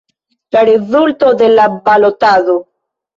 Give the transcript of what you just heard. La rezulto de la balotado.